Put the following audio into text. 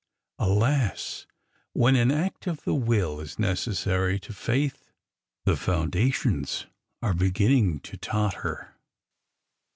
alas! when an act of the will is necessary to faith, the foundations are beginning to totter.